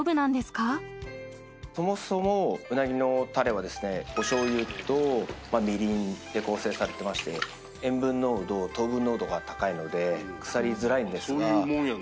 そもそもうなぎのタレはおしょうゆとみりんで構成されてまして塩分濃度糖分濃度が高いので腐りづらいんですが。